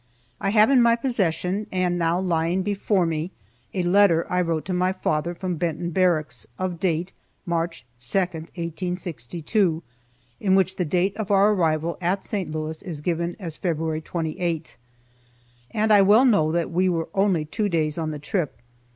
I have in my possession, and now lying before me, a letter I wrote to my father from Benton Barracks, of date March 2, 1862, in which the date of our arrival at St. Louis is given as February 28th. And I well know that we were only two days on the trip.